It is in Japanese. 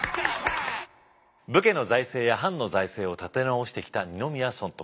武家の財政や藩の財政を立て直してきた二宮尊徳。